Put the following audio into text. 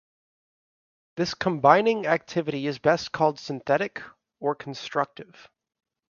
This combining activity is best called synthetic, or constructive.